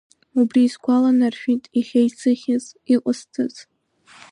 Убри исгәаланаршәеит иахьа исыхьыз, иҟасҵаз.